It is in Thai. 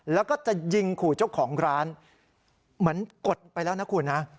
แล้วก็จะยิงขู่เจ้าของร้านเหมือนกดไปแล้วนะคุณนะ